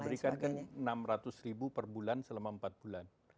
ya kita memberikan rp enam ratus per bulan selama empat bulan